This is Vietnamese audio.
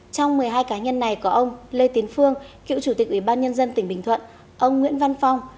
trong một mươi hai cá nhân này có ông lê tiến phương cựu chủ tịch ubnd tp bình thuận ông nguyễn văn phong